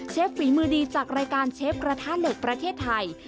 ฝีมือดีจากรายการเชฟกระทะเหล็กประเทศไทย